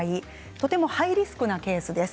とてもハイリスクなケースです。